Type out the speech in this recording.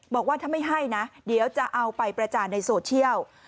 บอกว่าถ้าไม่ให้นะเดี๋ยวจะเอาไปประจานในโซเชียล